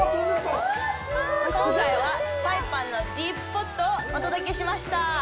今回は、サイパンのディープスポットをお届けしました。